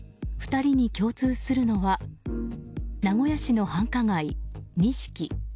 ２人に共通するのは名古屋市の繁華街、錦。